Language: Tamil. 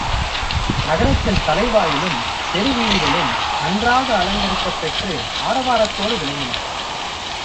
நகரத்தின் தலைவாயிலும் பெருவீதிகளும் நன்றாக அலங்கரிக்கப் பெற்று ஆரவாரத்தோடு விளங்கின.